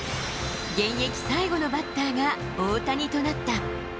現役最後のバッターが大谷となった。